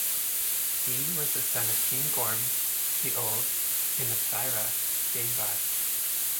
He was the son of King Gorm the Old and of Thyra Dannebod.